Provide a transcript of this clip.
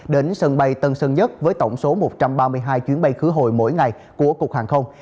đến sân bay tân sơn nhất với tổng số một trăm ba mươi hai chuyến bay khứ hồi mỗi ngày của cục hàng không